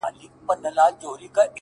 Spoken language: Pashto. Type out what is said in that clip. خو پر زړه مي سپين دسمال د چا د ياد”